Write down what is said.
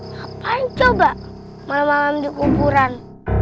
ngapain coba malam malam di kuburan